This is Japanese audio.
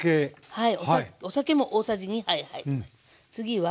はい。